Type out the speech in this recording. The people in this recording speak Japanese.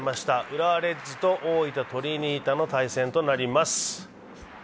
浦和レッズと大分トリニータの対戦となります。